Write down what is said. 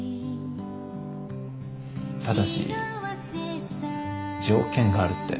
ただし条件があるって。